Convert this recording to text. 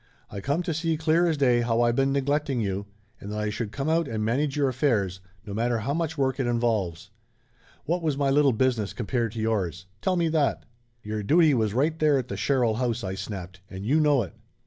I come to see clear as day how I been neglecting you, and that I should come out and manage your affairs, no matter how much work it involves. What was my little business compared to yours ? Tell me that !" "Your duty was right there at the Sherrill house!" I snapped. "And you know it."